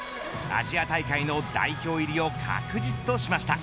アジア大会の代表入りを確実としました。